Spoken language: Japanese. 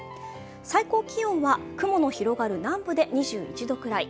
最高気温は雲の広がる南部で２１度くらい。